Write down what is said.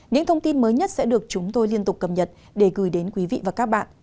những thông tin mới nhất sẽ được chúng tôi liên tục cập nhật để gửi đến quý vị và các bạn